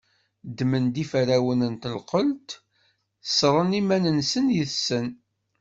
Ddmen-d iferrawen n tenqelt, ssṛen iman-nsen yes-sen.